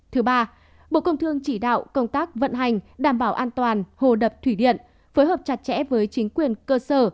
thứ ba bộ công thương chỉ đạo công tác vận hành đảm bảo an toàn hồ đập thủy điện phối hợp chặt chẽ với chính quyền cơ sở